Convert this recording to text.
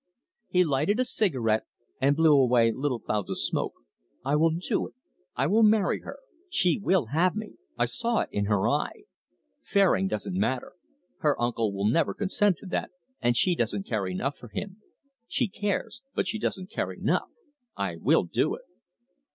He lighted a cigarette, and blew away little clouds of smoke. "I will do it. I will marry her. She will have me: I saw it in her eye. Fairing doesn't matter. Her uncle will never consent to that, and she doesn't care enough for him. She cares, but she doesn't care enough.... I will do it."